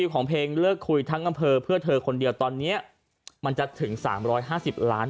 ของเพลงเลิกคุยทั้งอำเภอเพื่อเธอคนเดียวตอนนี้มันจะถึง๓๕๐ล้าน